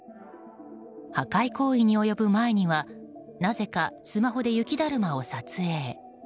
破壊行為に及ぶ前にはなぜかスマホで雪だるまを撮影。